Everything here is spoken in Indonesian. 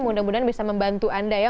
mudah mudahan bisa membantu anda ya